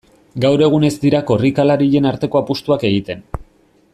Gaur egun ez dira korrikalarien arteko apustuak egiten.